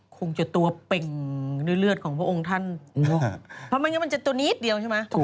คงจะตัวเป็นในเลือดของพระองค์ท่านมันจะตัวนี้เดียวใช่หรือ